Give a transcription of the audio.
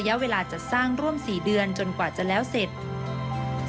ช่วยให้สามารถสัมผัสถึงความเศร้าต่อการระลึกถึงผู้ที่จากไป